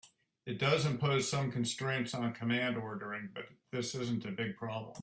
It does impose some constraints on command ordering, but this isn't a big problem.